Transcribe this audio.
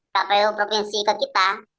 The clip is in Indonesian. kpu provinsi ke kita